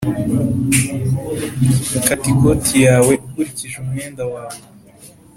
kata ikoti yawe ukurikije umwenda wawe